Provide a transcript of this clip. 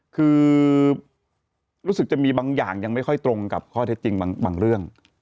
คือรู้สึกจะมีบางอย่างยังไม่ค่อยตรงกับข้อเท็จจริงบางเรื่อง